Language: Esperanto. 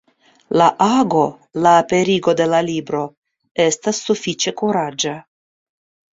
La ago, la aperigo de la libro, estas sufiĉe kuraĝa.